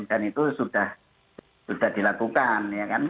dan itu sudah dilakukan